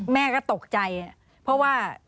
แม่ก็ตกใจเพราะว่า